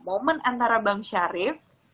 momen antara bang syarif